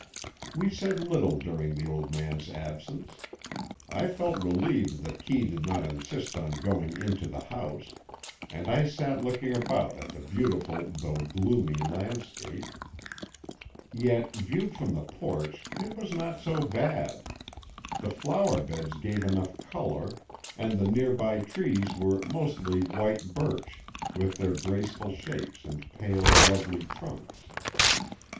We said little during the old man's absence. I felt relieved that Kee did not insist on going into the house, and I sat looking about at the beautiful though gloomy landscape. Yet, viewed from the porch, it was not so bad. The flower beds gave enough colour, and the near by trees were mostly white birch, with their graceful shapes and pale, lovely trunks.